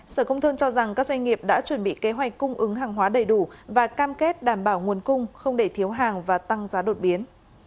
sở công thương cho rằng các doanh nghiệp đã chuẩn bị kế hoạch cung ứng hàng hóa đầy đủ và cam kết đảm bảo nguồn cung không để thiếu hàng và tăng giá đột biến